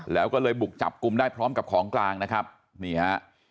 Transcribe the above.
แล้วก็เลยบุกจับกลุ่มได้พร้อมกับของกลางนะครับนี่ฮะ